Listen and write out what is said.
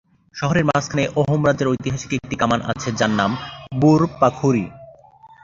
শহরের মাঝখানে অহোম রাজ্যের ঐতিহাসিক একটি কামান আছে, যার নাম বোর পাখুরি।